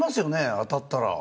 当たったら。